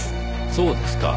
そうですか。